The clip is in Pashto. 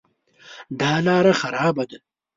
دا لاره خرابه ده